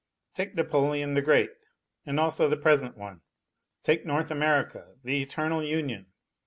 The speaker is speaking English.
Take Napoleon the Great and also the present one. Take North America the eternal union.